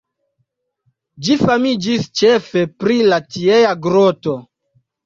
Ĝi famiĝis ĉefe pri la tiea groto.